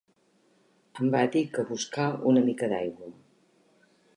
Em va dir que buscar una mica d'aigua.